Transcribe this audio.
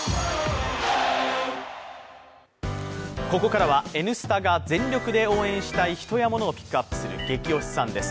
ここからは「Ｎスタ」が全力で応援したい人やものをピックアップする「ゲキ推しさん」です